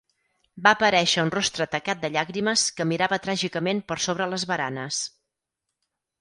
Va aparèixer un rostre tacat de llàgrimes que mirava tràgicament per sobre les baranes.